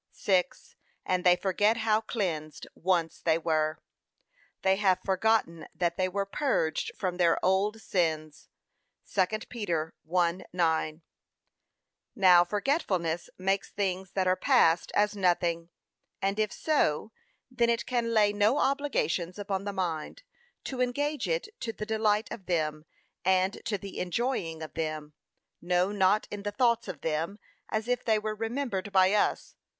6. And they forget how cleansed once they were. 'They have forgotten that they were purged from their old sins.' (2 Peter 1:9) Now forgetfulness makes things that are past as nothing; and if so, then it can lay no obligations upon the mind, to engage it to the delight of them, and to the enjoying of them, no not in the thoughts of them, as if they were remembered by us.